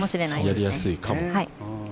逆にやりやすいかも。